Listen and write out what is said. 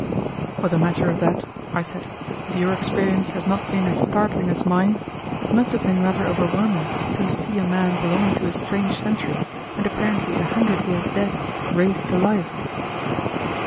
"For the matter of that," I said, "if your experience has not been as startling as mine, it must have been rather overwhelming to see a man belonging to a strange century, and apparently a hundred years dead, raised to life."